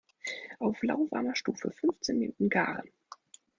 Auf lauwarmer Stufe fünfzehn Minuten garen.